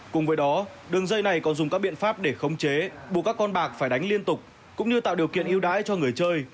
cùng với đó đường dây này còn dùng các biện pháp để khống chế buộc các con bạc phải đánh liên tục cũng như tạo điều kiện yêu đáy cho người chơi